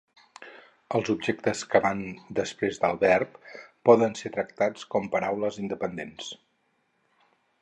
Els objectes, que van després del verb, poden ser tractats com paraules independents.